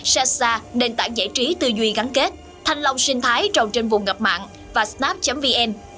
sasa nền tảng giải trí tư duy gắn kết thanh long sinh thái trồng trên vùng ngập mạng và snap vn